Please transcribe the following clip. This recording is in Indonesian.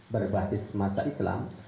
berbasis masa islam